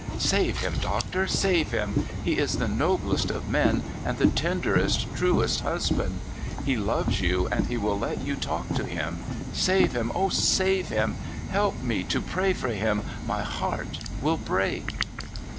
" Save him, Doctor, save him ! He is the noblest of men, and the tenderest, truest husband. He loves you, and he will let you talk to him. Save him, O save him ! Help me to pray for him ! My heart will break